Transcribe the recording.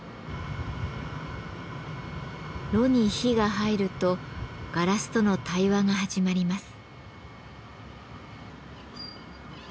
炉に火が入るとガラスとの対話が始まります。